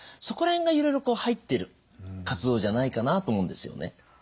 そこら辺がいろいろ入ってる活動じゃないかなと思うんですよね。